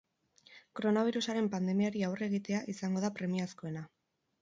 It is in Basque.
Koronabirusaren pandemiari aurre egitea izango da premiazkoena.